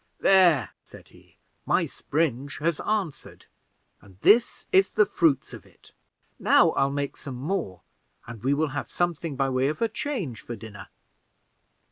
"There," said he, "my spring has answered, and this is the first fruits of it. Now I'll make some more, and we will have something by way of a change for dinner."